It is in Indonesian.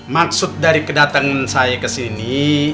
maksud dari kedatangan saya kesini